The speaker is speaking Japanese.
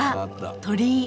鳥居。